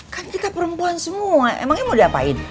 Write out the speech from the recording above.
kan kita perempuan semua emang ini mau diapain